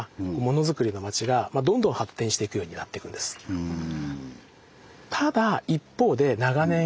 うん。